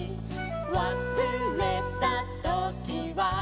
「わすれたときは」